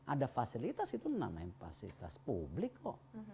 ada fasilitas itu namanya fasilitas publik kok